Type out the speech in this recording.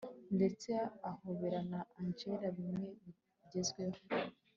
ndetse ahobera na angella bimwe bigezweho